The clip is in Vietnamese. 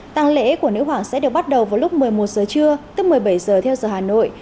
tăng lễ của nữ hoàng sẽ được bắt đầu vào lúc một mươi một giờ trưa tức một mươi bảy giờ theo giờ hà nội